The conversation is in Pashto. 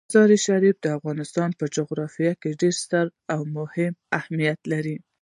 مزارشریف د افغانستان په جغرافیه کې ډیر ستر او مهم اهمیت لري.